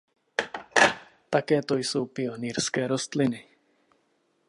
Také to jsou pionýrské rostliny.